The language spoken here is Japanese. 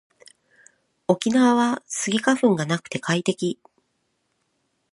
沖縄はスギ花粉がなくて快適